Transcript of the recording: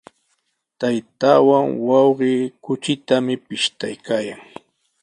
Taytaawan wawqi kuchitami pishtaykaayan.